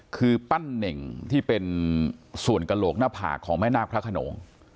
คือปั้นเน่งที่เป็นส่วนกระโหลกหน้าผากของแม่นาคพระขนง